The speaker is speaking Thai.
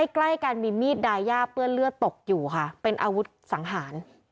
ใกล้กันมีมีดดายาเปื้อนเลือดตกอยู่ค่ะเป็นอาวุธสังหาร